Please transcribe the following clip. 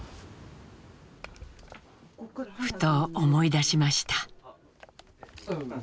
ふと思い出しました。